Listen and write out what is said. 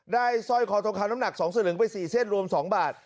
ได้สร้อยคอทงคารน้ำหนักสองสี่หลือไปสี่เส้นรวมสองบาท